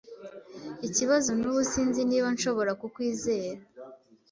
Ikibazo nubu sinzi niba nshobora kukwizera.